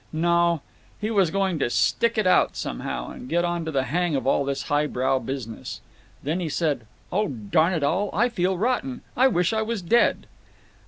No! He was going to "stick it out somehow, and get onto the hang of all this highbrow business." Then he said: "Oh, darn it all. I feel rotten. I wish I was dead!"